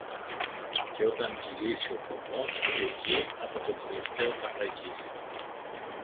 Και όταν κυλήσει ο κορμός και βγει από το τελευταίο κατρακύλι